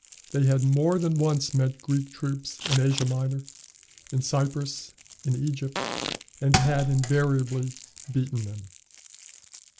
They had more than once met Greek troops in Asia Minor, in Cyprus, in Egypt, and had invariably beaten them.